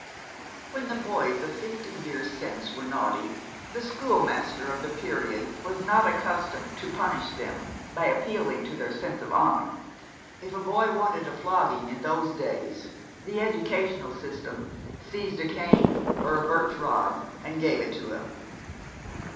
When the boys of fifty years since were naughty, the schoolmaster of the period was not accustomed to punish them by appealing to their sense of honour. If a boy wanted a flogging, in those days, the educational system seized a cane, or a birch rod, and gave it to him.